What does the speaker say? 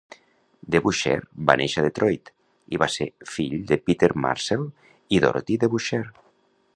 DeBusschere va néixer a Detroit i va ser el fill de Peter Marcell i Dorothy Debusschere.